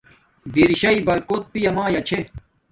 برشاݵݵ برکوت پیا مایا چھے